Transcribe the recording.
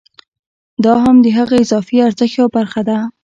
دا هم د هغه اضافي ارزښت یوه برخه ده